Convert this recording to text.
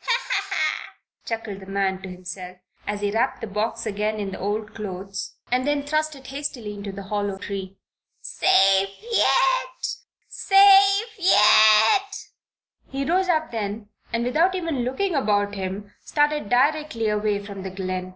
"Ha, ha, ha!" chuckled the man to himself, as he wrapped the box up again in the old clothes, and then thrust it hastily into the hollow tree. "Safe yet! safe yet!" He rose up then and without even looking about him, started directly away from the glen.